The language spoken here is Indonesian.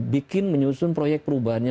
bikin menyusun proyek perubahannya